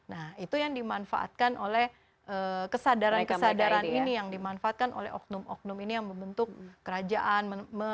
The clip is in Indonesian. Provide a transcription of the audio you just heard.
nah itu yang dimanfaatkan oleh kesadaran kesadaran ini yang dimanfaatkan oleh oknum oknum ini yang membentuk kerajaan